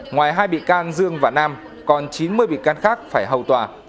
ngoài hai bị can dương và nam còn chín mươi bị can khác phải hầu tòa